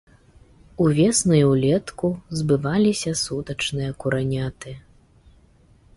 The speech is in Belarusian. Увесну і ўлетку збываліся сутачныя кураняты.